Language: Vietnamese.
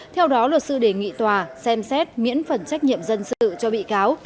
theo đó luật sư đề nghị tòa xem xét miễn phần trách nhiệm dân sự cho bị cáo